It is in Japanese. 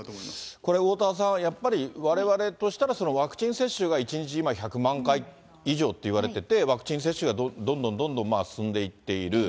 これ、おおたわさん、やっぱりわれわれとしたら、そのワクチン接種が１日、今１００万回以上というふうにいわれてて、ワクチン接種がどんどんどんどん進んでいっている。